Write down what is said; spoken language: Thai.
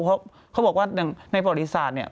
เพราะเขาบอกว่าในประวัติศาสตร์เนี่ย